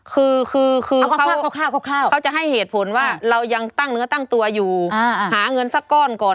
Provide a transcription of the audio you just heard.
คือคือเขาจะให้เหตุผลว่าเรายังตั้งเนื้อตั้งตัวอยู่หาเงินสักก้อนก่อน